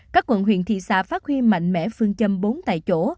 các quận huyện thị xã phát huy mạnh mẽ phương châm bốn tại chỗ